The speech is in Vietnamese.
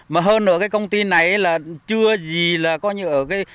mà hơn nữa cái công ty này là chưa gì là có như ở cái